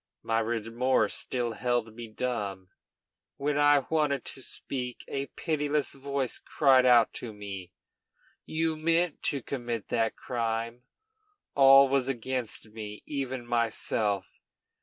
My remorse still held me dumb. When I wanted to speak, a pitiless voice cried out to me, 'You meant to commit that crime!' All was against me, even myself.